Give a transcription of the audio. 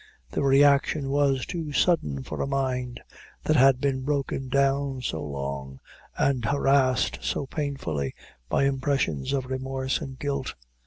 The reaction was too sudden for a mind that had been broken down so long, and harrassed so painfully, by impressions of remorse and guilt.